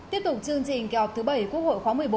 tiếp tục chương trình kỳ họp thứ bảy quốc hội khóa một mươi bốn